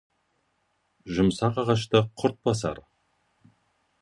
Жұмсақ ағашты құрт басар.